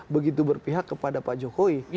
begitu berpihak kepada pak jokowi